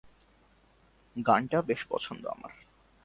গানটা বেশ পছন্দ আমার।